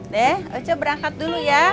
dede ojo berangkat dulu ya